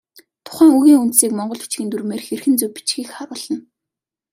Тухайн үгийн үндсийг монгол бичгийн дүрмээр хэрхэн зөв бичихийг харуулна.